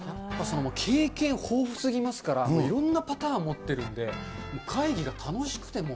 経験豊富すぎますから、いろんなパターン持ってるんで、会議が楽しくて、もう。